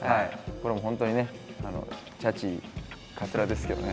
これも本当にねちゃちいかつらですけどね。